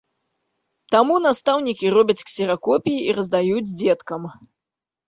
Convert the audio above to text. Таму настаўнікі робяць ксеракопіі і раздаюць дзеткам.